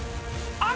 あれ！